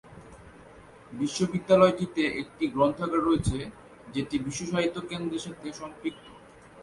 বিদ্যালয়টিতে একটি গ্রন্থাগার রয়েছে, যেটি বিশ্ব সাহিত্য কেন্দ্রের সাথে সম্পৃক্ত।